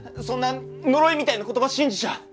そんな呪いみたいな言葉信じちゃ。